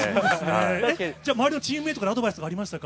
周りのチームメートからアドバイスとかありましたか？